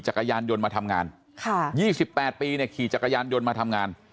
จักรยานยนต์มาทำงาน๒๘ปีเนี่ยขี่จักรยานยนต์มาทำงาน